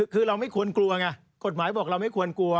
คือเราไม่ควรกลัวไงกฎหมายบอกเราไม่ควรกลัว